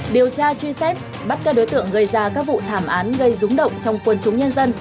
điều tra truy xét bắt các đối tượng gây ra các vụ thảm án gây rúng động trong quân chúng nhân dân